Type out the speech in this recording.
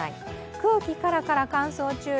空気カラカラ乾燥注意。